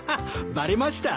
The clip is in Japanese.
バレました？